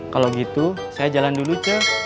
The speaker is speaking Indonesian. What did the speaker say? kalau gitu saya jalan dulu cek